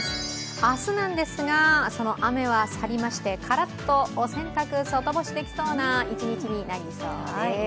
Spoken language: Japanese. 明日なんですが、その雨は去りましてカラッとお洗濯、外干しできそうな一日になりそうです。